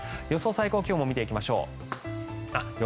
最小湿度も見ていきましょう。